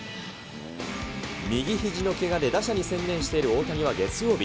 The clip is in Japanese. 右ひじのけがで打者に専念している大谷は、月曜日。